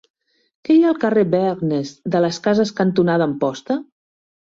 Què hi ha al carrer Bergnes de las Casas cantonada Amposta?